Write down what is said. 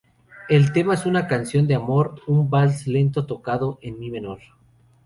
El tema es una canción de amor, un vals lento tocado en mi menor.